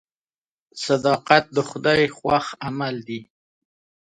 صداقت د خدای خوښ عمل دی.